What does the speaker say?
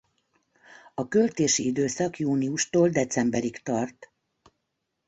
A költési időszak júniustól decemberig tart.